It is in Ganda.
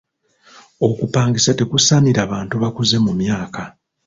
Okupangisa tekusaanira bantu bakuze mu myaka.